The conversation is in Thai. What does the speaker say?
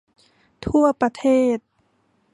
ทั่วประเทศ